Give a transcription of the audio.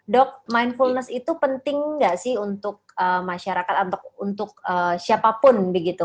dok mindfulness itu penting gak sih untuk masyarakat atau untuk siapapun begitu